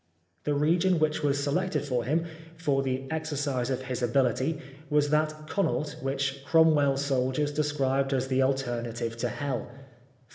The region which was selected for him for the exer cise of his ability was that Connaught which Cromwell's soldiers described as the alternative to Hell ^.